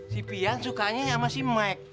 si fian sukanya sama si mike